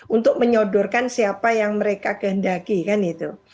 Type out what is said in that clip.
untuk menyodorkan siapa yang mereka kehendaki kan itu